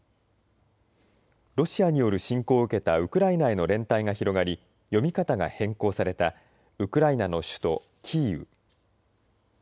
ロシアによる侵攻を受けたウクライナへの連帯が広がり読み方が変更されたウクライナの首都キーウ。